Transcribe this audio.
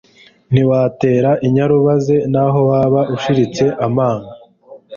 Ntiwaterera inyarubaze, Naho waba ushiritse amanga,